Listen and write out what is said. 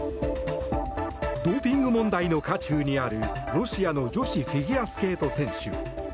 ドーピング問題の渦中にあるロシアの女子フィギュアスケート選手。